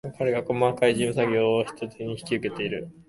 彼が細かい事務作業を一手に引き受けている